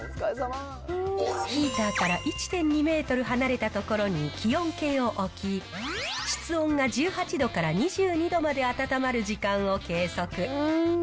ヒーターから１．２メートル離れた所に気温計を置き、室温が１８度から２２度まで温まる時間を計測。